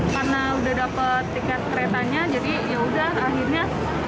menghindari penumpukan bisa pulang di awal juga